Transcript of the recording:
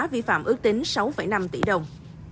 vi phạm ước tính sáu năm tỷ đồng